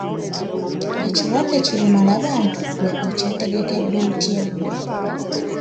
Ekirwadde ki lumala bantu gwe okyetegekedde otya?